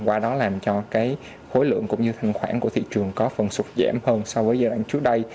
qua đó làm cho cái khối lượng cũng như thanh khoản của thị trường có phần sụt giảm hơn so với giai đoạn trước đây